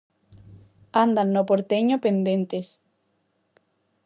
Andan no Porteño pendentes.